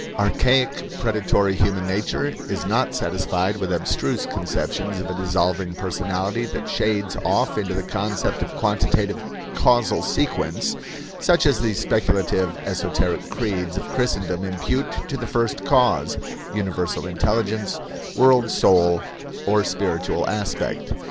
Archaic, predatory human nature is not satisfied with abstruse conceptions of a dissolving personality that shades off into the concept of quantitative causal sequence, such as the speculative, esoteric creeds of Christendom impute to the First Cause, Universal Intelligence, World Soul, or Spiritual Aspect.